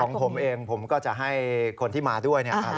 ของผมเองผมก็จะให้คนที่มาด้วยเนี่ย